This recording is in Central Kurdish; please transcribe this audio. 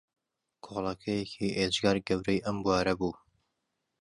کۆڵەکەیەکی ئێجگار گەورەی ئەم بوارە بوو